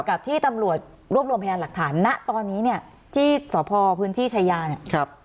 กับที่ทำรวจรวมรวมพย่านหลักฐานนะตอนนี้ที่สตพื้นที่ชายา